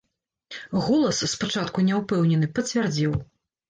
Голас, спачатку няўпэўнены, пацвярдзеў.